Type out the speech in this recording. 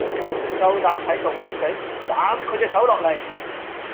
夠膽喺度搵食？斬佢隻手落嚟！